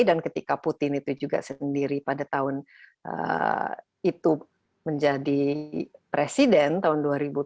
dan ketika putin itu juga sendiri pada tahun itu menjadi presiden tahun dua ribu tujuh